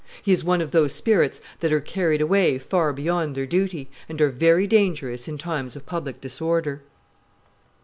He is one of those spirits that are carried away far beyond their duty, and are very dangerous in times of public disorder."